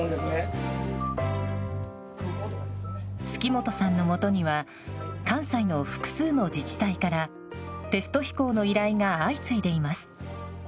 鋤本さんのもとには関西の複数の自治体からテスト飛行の依頼が相次いでいます。